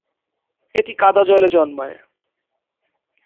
এটি কাদা জলে জন্মায়।